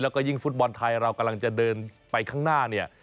แล้วก็ยิ่งฟุตบอลไทยเรากำลังจะเดินไปข้างหน้าเนี่ย